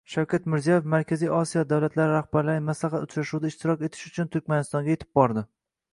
Shavkat Mirziyoyev Markaziy Osiyo davlatlari rahbarlarining Maslahat uchrashuvida ishtirok etish uchun Turkmanistonga yetib bordi